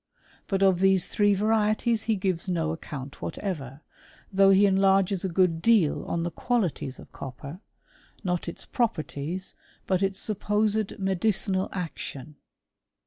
But of these three varieties he gives i^o ac count whatever ; though he enlarges a good deal on the qualities of copper — not its properties, but its sup posed medicinal action.